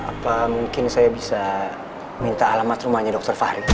apa mungkin saya bisa minta alamat rumahnya dr fahri